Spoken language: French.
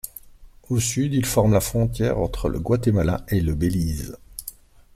Au sud, il forme la frontière entre le Guatemala et le Belize.